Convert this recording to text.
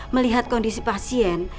melihat kondisi pasien